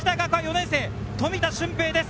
４年生・富田峻平です。